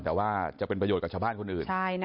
แต่ว่าจะเป็นประโยชน์กับชาวบ้านคนอื่น